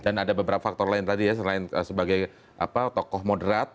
dan ada beberapa faktor lain tadi ya selain sebagai tokoh moderat